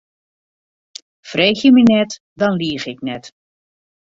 Freegje my net, dan liich ik net.